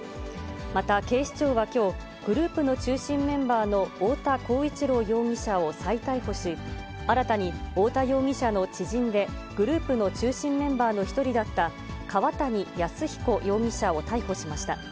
また、警視庁はきょう、グループの中心メンバーの太田浩一朗容疑者を再逮捕し、新たに太田容疑者の知人で、グループの中心メンバーの一人だった川谷泰彦容疑者を逮捕しました。